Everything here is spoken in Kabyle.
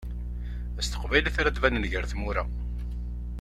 S teqbaylit ara d-baneḍ gar tmura.